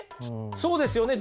そうですよね。